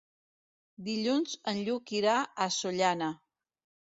Dilluns en Lluc irà a Sollana.